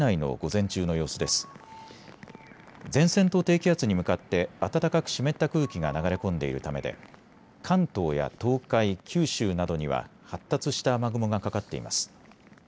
前線と低気圧に向かって暖かく湿った空気が流れ込んでいるためで関東や東海、九州などには発達した雨雲がかかっています。